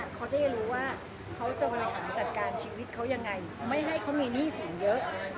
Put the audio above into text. เขาจะได้รู้ว่าเขาจะบริหารจัดการชีวิตเขายังไงไม่ให้เขามีหนี้สินเยอะ